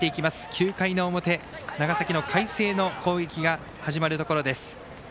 ９回の表、長崎の海星の攻撃が始まるところです。